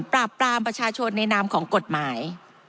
ปราบปรามประชาชนในนามของกฎหมาย